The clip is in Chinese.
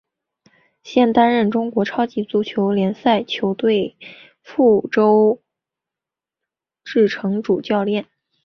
现担任中国超级足球联赛球队贵州智诚主教练。